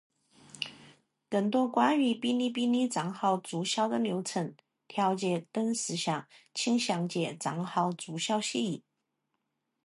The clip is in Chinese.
更多关于哔哩哔哩账号注销的流程、条件等事项请详见《账号注销协议》。